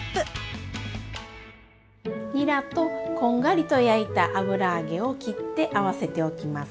にらとこんがりと焼いた油揚げを切って合わせておきます。